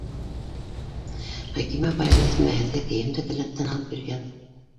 Хәкимә апайығыҙ, етмәһә һеҙгә кейем дә келәттән алып биргән.